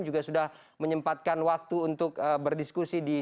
juga sudah menyempatkan waktu untuk berdiskusi di sini